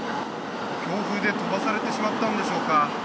強風で飛ばされてしまったんでしょうか。